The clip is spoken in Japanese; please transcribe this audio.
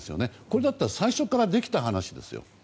これだったら最初からできた話ですよ。